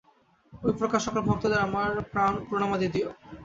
ঐ প্রকার সকল ভক্তদের আমার প্রণামাদি দিও।